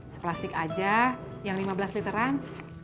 seplastik aja yang lima belas literan